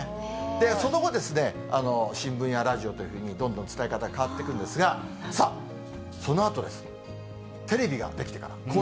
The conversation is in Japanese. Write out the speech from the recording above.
その後ですね、新聞やラジオというふうにどんどん伝え方、変わっていくんですが、さあ、そのあとです。